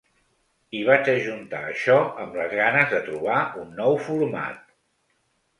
I vaig ajuntar això amb les ganes de trobar un nou format.